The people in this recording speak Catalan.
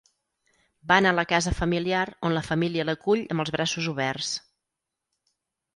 Van a la casa familiar on la família l'acull amb els braços oberts.